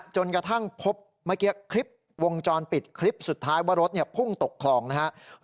จนกระทั่งพบเมื่อกี้คลิปวงจรปิดคลิปสุดท้ายว่ารถพุ่งตกคลองนะครับ